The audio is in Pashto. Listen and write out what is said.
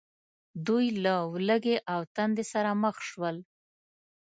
دوی له ولږې او تندې سره مخ شول.